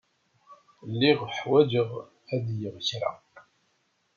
Lliɣ ḥwajeɣ ad geɣ kra.